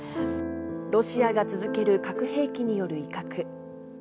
ロシアが続ける核兵器による威嚇。